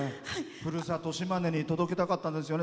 ふるさと・島根に届けたかったんですよね。